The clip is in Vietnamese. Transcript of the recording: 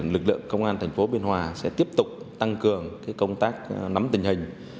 lực lượng công an tp biên hòa sẽ tiếp tục tăng cường công tác nắm tình hình